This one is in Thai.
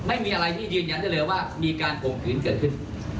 ไม่มีอะไรที่ยืนยันได้เลยว่ามีการข่มขืนเกิดขึ้น